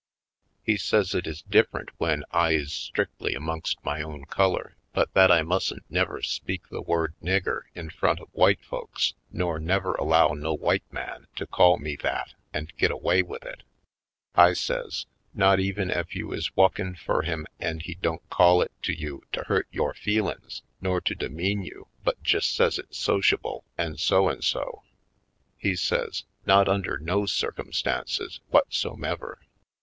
He says it is dififerent when I is strictly amongst my own color, but that I mustn't never speak the word "nigger" in front of white folks nor never allow no white man to call me that and get away with it. I says: "Not even ef you is wu'kin' fur him an' he don't call it to you to hurt yore f eelin's nor to demean you but jest sez it sociable an' so an' so?" He says : "Not under no circumstances whutsom ever."